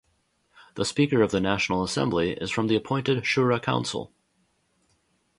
The speaker of the National Assembly is from the appointed Shura Council.